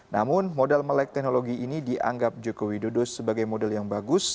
namun modal melek teknologi ini dianggap joko widodo sebagai model yang bagus